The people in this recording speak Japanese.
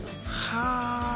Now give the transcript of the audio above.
はあ！